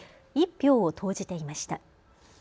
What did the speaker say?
１票を投じていました。